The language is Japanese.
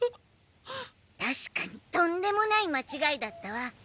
確かにとんでもない間違いだったわ。